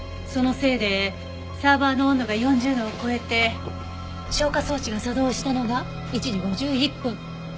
そのせいでサーバーの温度が４０度を超えて消火装置が作動したのが１時５１分。